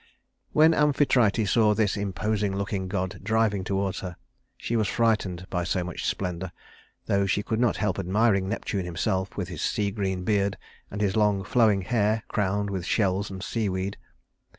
When Amphitrite saw this imposing looking god driving toward her, she was frightened by so much splendor, though she could not help admiring Neptune himself with his sea green beard, and his long flowing hair crowned with shells and seaweed.